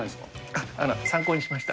あの、参考にしました。